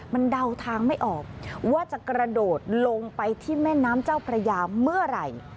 มันเดาทางไม่ออกว่าจะกระโดดลงไปที่แม่น้ำเจ้าพระยาเมื่อไหร่